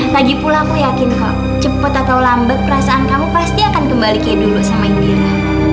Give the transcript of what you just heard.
lagipula aku yakin kalau cepet atau lambet perasaan kamu pasti akan kembali kayak dulu sama indira